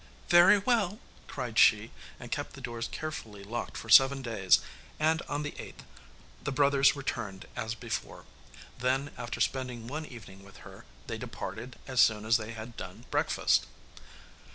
'Very well,' cried she, and kept the doors carefully locked for seven days and on the eighth the brothers returned as before. Then, after spending one evening with her, they departed as soon as they had done breakfast.